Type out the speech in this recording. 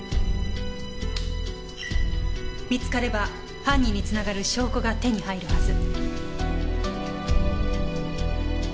見つかれば犯人に繋がる証拠が手に入るはず。